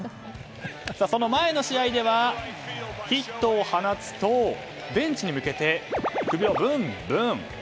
その前の試合ではヒットを放つとベンチに向けて、首をブンブン。